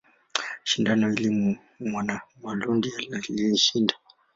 Shindano hili Mwanamalundi alishinda.